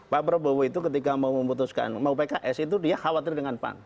pak prabowo itu ketika mau memutuskan mau pks itu dia khawatir dengan pan